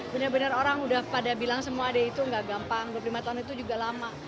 benar benar orang udah pada bilang semua deh itu gak gampang dua puluh lima tahun itu juga lama